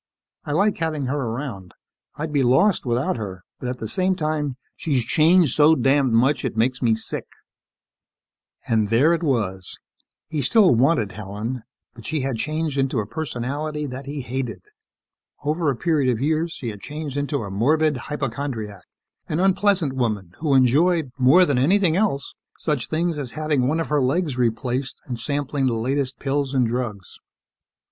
I like having her around. I'd be lost without her, but at the same time, she's changed so damned much, she makes me sick." And there it was. He still wanted Helen but she had changed into a personality that he hated. Over a period of years, she had changed into a morbid hypochondriac, an unpleasant woman who enjoyed more than anything else such things as having one of her legs replaced and sampling the latest pills and drugs.